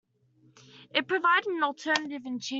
It provided an alternative and cheaper route.